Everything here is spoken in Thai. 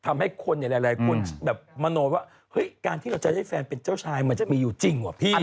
มีหลายคนมาโน้นว่าการที่เราจะให้แฟนเป็นเจ้าชายมันจะมีอยู่จริงว่ะพี่